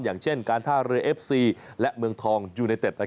อย่างเช่นการท่าเรือเอฟซีและเมืองทองยูเนเต็ด